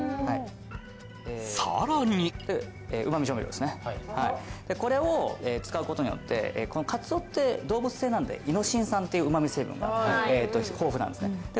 さらにこれを使うことによってかつおって動物性なんでイノシン酸っていううま味成分が豊富なんですねで